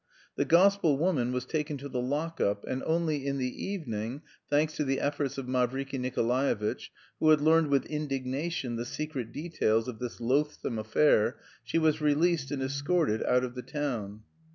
The gospel woman was taken to the lock up, and only in the evening, thanks to the efforts of Mavriky Nikolaevitch, who had learned with indignation the secret details of this loathsome affair, she was released and escorted out of the town.